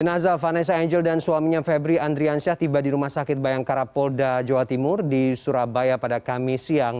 jenazah vanessa angel dan suaminya febri andriansyah tiba di rumah sakit bayangkara polda jawa timur di surabaya pada kamis siang